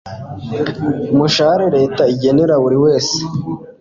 mushahara Leta igenera buri wese